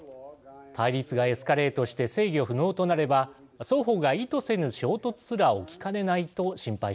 対立がエスカレートして制御不能となれば双方が意図せぬ衝突すら起きかねないと心配したからです。